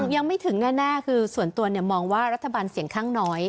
ยังไม่ถึงแน่คือส่วนตัวมองว่ารัฐบาลเสียงข้างน้อย